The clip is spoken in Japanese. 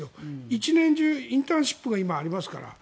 一年中インターンシップがありますから。